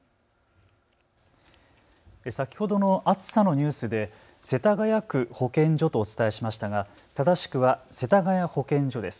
先ほどの暑さのニュースで世田谷区保健所とお伝えしましたが正しくは世田谷保健所です。